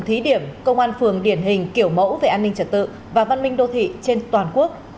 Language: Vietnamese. thí điểm công an phường điển hình kiểu mẫu về an ninh trật tự và văn minh đô thị trên toàn quốc